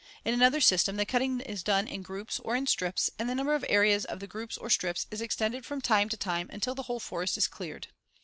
In another system the cutting is done in groups, or in strips, and the number of areas of the groups or strips is extended from time to time until the whole forest is cleared.